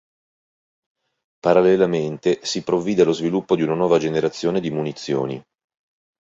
Parallelamente si provvide allo sviluppo di una nuova generazione di munizioni.